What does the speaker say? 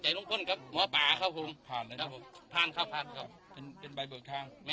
จับผมไม่ผมเห็นโรงจินว่าจากรถบุรีคมฮือเขาถามว่า